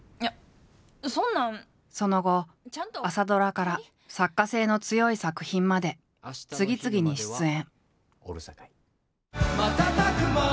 その後朝ドラから作家性の強い作品まで次々に出演。